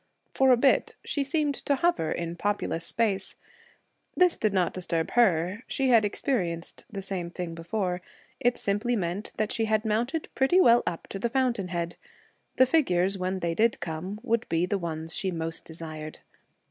For a bit she seemed to hover in populous space. This did not disturb her; she had experienced the same thing before. It simply meant that she had mounted pretty well up to the fountain head. The figures, when they did come, would be the ones she most desired.